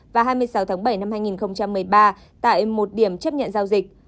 và hai mươi sáu tháng bảy năm hai nghìn một mươi ba tại một điểm chấp nhận giao dịch